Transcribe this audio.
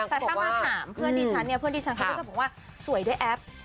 แต่ถ้ามาถามเพื่อนดิฉันเนี่ยเพื่อนดิฉันเขาก็จะบอกว่าสวยด้วยแอป